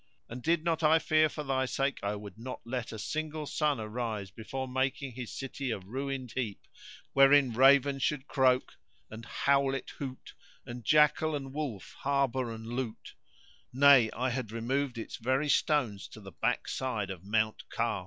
And did not I fear for thy sake, I would not let a single sun arise before making his city a ruined heap wherein raven should croak and howlet hoot, and jackal and wolf harbour and loot; nay I had removed its very stones to the back side of Mount Kaf."